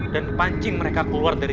dan pancing mereka keluar dari sini